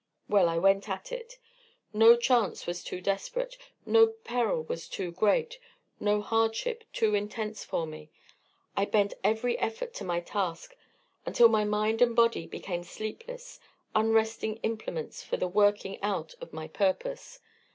Well, I went at it. No chance was too desperate, no peril was too great, no hardship too intense for me. I bent every effort to my task, until mind and body became sleepless, unresting implements for the working out of my purpose.